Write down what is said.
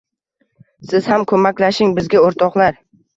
Siz ham ko’maklashing bizga, o’rtoqlar!